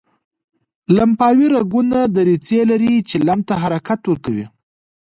لمفاوي رګونه دریڅې لري چې لمف ته حرکت ورکوي.